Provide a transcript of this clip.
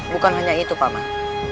bukan hanya itu paman